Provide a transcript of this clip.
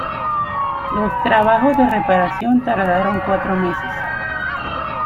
Los trabajos de reparación tardaron cuatro meses.